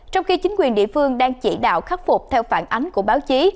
trong khi chính quyền địa phương đang chỉ đạo khắc phục theo phản ánh của báo chí